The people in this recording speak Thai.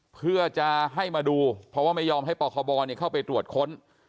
เพื่อจะให้มาดูเพราะว่าไม่ยอมให้ปคบเข้าไปตรวจค้น